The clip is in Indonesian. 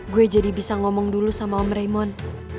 gue jadi bisa ngomong dulu sama om raymond